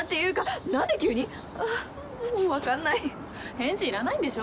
返事いらないんでしょ？